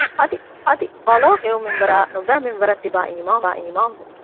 އަދި ޤަޟާ ޤަދަރުގެ ހެޔޮ މިންވަރާއި ނުބައި މިންވަރަށް ތިބާ އީމާން ވުން